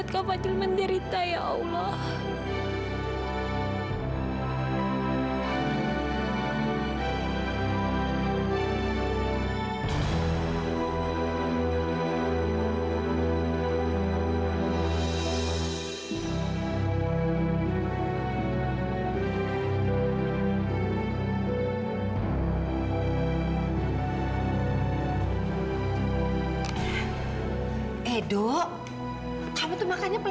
sampai jumpa di video selanjutnya